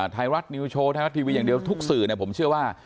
ไทยรัฐนิวโชว์ไทยรัฐทีวีอย่างเดียวทุกสื่อผมเชื่อว่า